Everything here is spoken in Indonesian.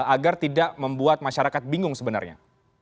agar tidak membuat masyarakat bingung sebenarnya